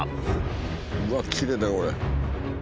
うわっきれいだよこれ。